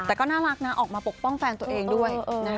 แต่ก็น่ารักนะออกมาปกป้องแฟนตัวเองด้วย